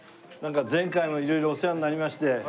前回も非常にお世話になりまして。